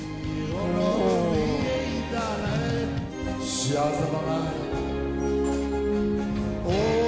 「幸せだなァ」